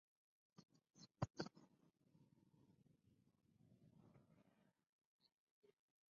Además el gobierno israelí se encontraba estancado en el conflicto del sur de Líbano.